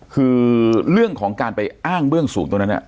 คือเรื่องของการไปอ้างเบื้องสูงตรงนั้น